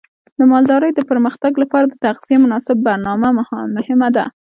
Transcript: د مالدارۍ د پرمختګ لپاره د تغذیې مناسب برنامه مهمه ده.